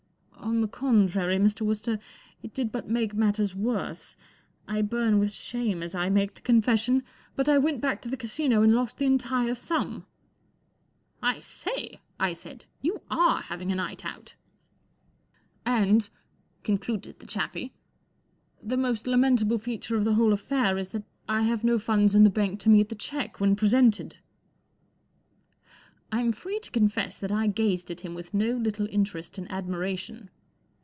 On the contrary, Mr. Wooster, it did but make matters worse. I burn with shame as I make the confession, but I went back to the Casino and lost the entire sum." 4 I say!" I said. 44 You are having a night out !" 4 And," concluded the chappie, 44 the most lamentable feature of the whole affair is that I have no funds in the bank to meet the cheque, when presented." I 'M free to confess that I gazed at him with no little interest and admiration.